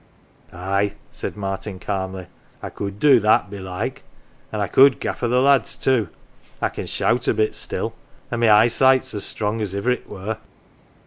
" Aye," said Martin calmly, " I could do that, belike an' I could gaffer the lads too. I can shout a bit still an' my eyesight's as strong as iver't were."